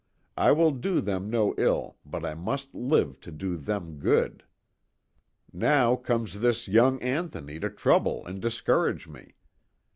I will do them no ill, but I must live to do them good. " Now comes this young Anthony to trouble and discourage me.